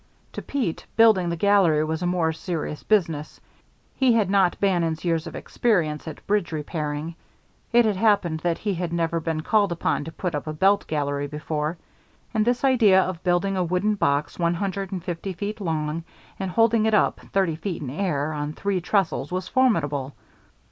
To Pete, building the gallery was a more serious business. He had not Bannon's years of experience at bridge repairing; it had happened that he had never been called upon to put up a belt gallery before, and this idea of building a wooden box one hundred and fifty feet long and holding it up, thirty feet in air, on three trestles, was formidable.